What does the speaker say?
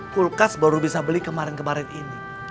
kulkas baru bisa beli kemarin kemarin ini